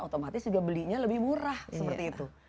otomatis juga belinya lebih murah seperti itu